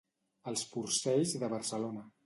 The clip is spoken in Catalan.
Els porcells de Barcelona.